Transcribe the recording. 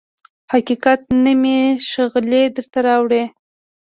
حقیقت نه مې شغلې درته راوړي